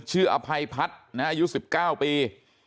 ชื่ออภัยพัทธ์นะครับอายุ๑๙ปี